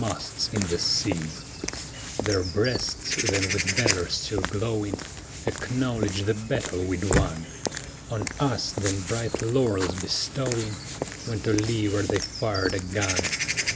Their breasts then with valor still glowing, Acknowledged the battle we'd won, On us then bright laurels bestowing, When to leeward they fired a gun.